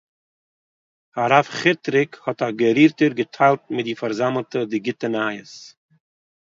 הרב חיטריק האָט אַ גערירטער געטיילט מיט די פאַרזאַמלטע די גוטע נייעס